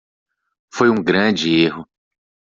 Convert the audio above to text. Foi um grande erro.